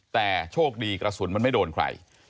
แต่โชคดีกระสุนมันไม่โดนใคร